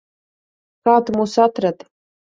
Kā tu mūs atradi?